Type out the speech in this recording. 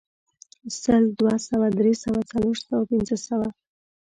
سل، دوه سوه، درې سوه، څلور سوه، پنځه سوه